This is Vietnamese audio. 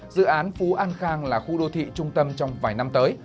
dự án phú an khang là khu đô thị trung tâm trong vài năm tới